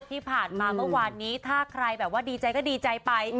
ที่ผ่านมาเมื่อวานนี้ถ้าใครแบบว่าดีใจก็ดีใจไป